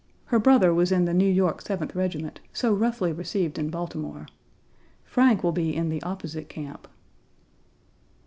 Her brother was in the New York Seventh Regiment, so roughly received in Baltimore. Frank will be in the opposite camp.